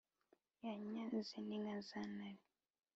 yanyaze ni nka za ntare,